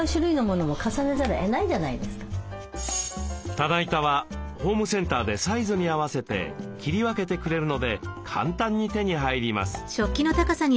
棚板はホームセンターでサイズに合わせて切り分けてくれるので簡単に手に入ります。